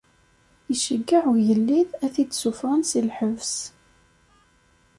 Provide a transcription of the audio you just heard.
Iceyyeɛ ugellid ad t-id-ssufɣen si lḥebs.